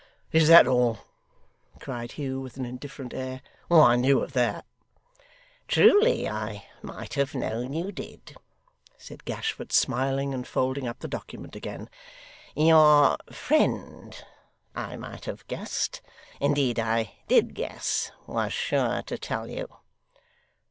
'Is that all?' cried Hugh, with an indifferent air. 'I knew of that.' 'Truly I might have known you did,' said Gashford, smiling, and folding up the document again. 'Your friend, I might have guessed indeed I did guess was sure to tell you.